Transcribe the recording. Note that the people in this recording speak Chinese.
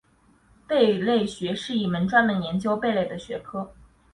贝类学是一门专门研究贝类的学科。